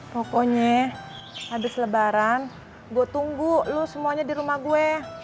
pokoknya habis lebaran gue tunggu lu semuanya di rumah gue